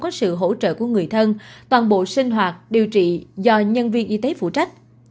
có sự hỗ trợ của người thân toàn bộ sinh hoạt điều trị do nhân viên y tế phụ trách